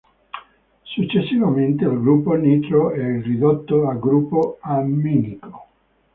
Successivamente il gruppo nitro è il ridotto a gruppo amminico.